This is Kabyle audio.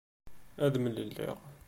Ad mlelliɣ.